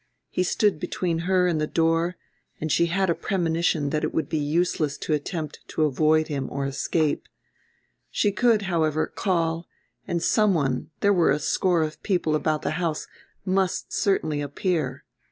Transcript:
He stood between her and the door and she had a premonition that it would be useless to attempt to avoid him or escape. She could, however, call, and some one, there were a score of people about the house, must certainly appear.